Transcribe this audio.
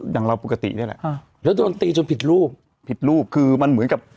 อย่างเราปกติได้แหละอ่าเดี๋ยวต้องตีจนผิดรูปผิดรูปคือมันเหมือนกับ